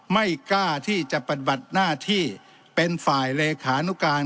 ไม่กล้าที่จะปฏิบัติหน้าที่เป็นฝ่ายเลขานุการ